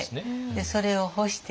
それを干している。